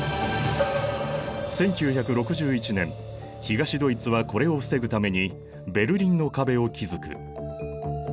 １９６１年東ドイツはこれを防ぐためにベルリンの壁を築く。